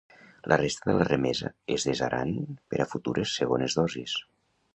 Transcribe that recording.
La resta de la remesa es desaran per a futures segones dosis.